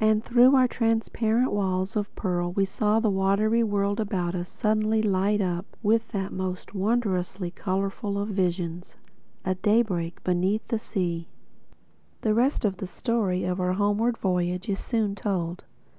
And through our transparent walls of pearl we saw the watery world about us suddenly light up with that most wondrously colorful of visions, a daybreak beneath the sea. The rest of the story of our homeward voyage is soon told.